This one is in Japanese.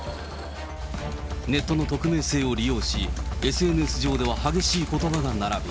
ネットの匿名性を利用し、ＳＮＳ上では激しいことばが並ぶ。